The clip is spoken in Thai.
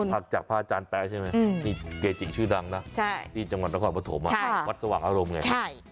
ภาคจากพระอาจารย์แป๊ะใช่ไหมนี่เกจิกชื่อดังนะที่จังหวัดและความประถมวัดสวัสดิ์อารมณ์ไง